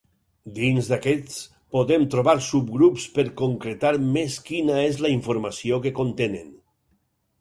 Dins d'aquests podem trobar subgrups per concretar més quina és la informació que contenen.